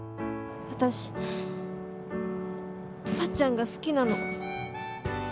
私タッちゃんが好きなの。